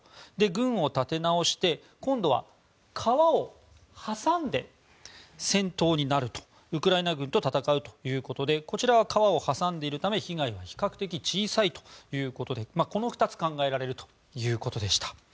軍を立て直して今度は川を挟んで戦闘になるとウクライナ軍と戦うということでこちらは川を挟んでいるため被害は比較的小さいということでこの２つが考えられるということでした。